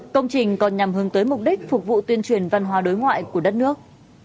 công trình còn nhằm hướng tới mục đích phục vụ tuyên truyền văn hóa đối ngoại của đất nước